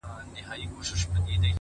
د دوبي ټکنده غرمې د ژمي سوړ سهار مي ـ